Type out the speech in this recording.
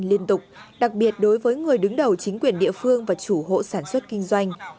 liên tục đặc biệt đối với người đứng đầu chính quyền địa phương và chủ hộ sản xuất kinh doanh